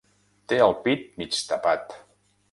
Té el pit mig tapat.